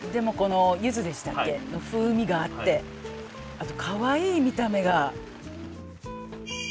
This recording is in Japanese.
あとかわいい見た目が。